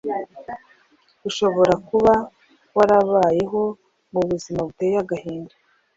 Ushobora kuba warabayeho mu buzima buteye agahinda,